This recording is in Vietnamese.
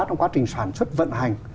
trong quá trình sản xuất vận hành